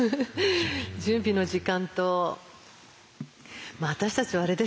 準備の時間とまあ私たちはあれですよね